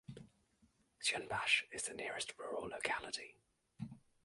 Syunbash is the nearest rural locality.